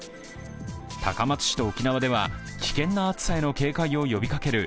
高松市と沖縄では危険な暑さへの警戒を呼びかける